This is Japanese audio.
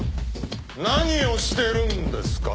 何をしてるんですか？